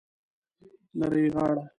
نرۍ غاړه